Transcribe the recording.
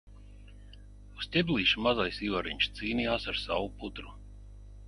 Uz ķeblīša mazais Ivariņš cīnījās ar savu putru.